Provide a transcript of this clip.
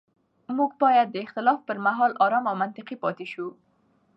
موږ باید د اختلاف پر مهال ارام او منطقي پاتې شو